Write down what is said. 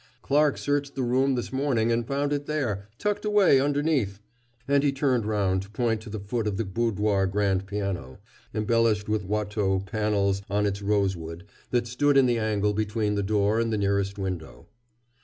Clarke searched the room this morning, and found it there tucked away underneath," and he turned round to point to the foot of the boudoir grand piano, embellished with Watteaux panels on its rosewood, that stood in the angle between the door and the nearest window.